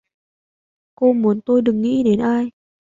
Tôi muốn cô đừng nghĩ đến ai